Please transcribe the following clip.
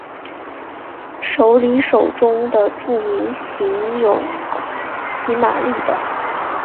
首里手中的著名型有骑马立等。